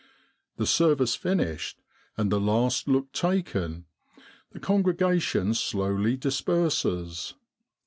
The service finished and the last look taken, the congregation slowly dis perses.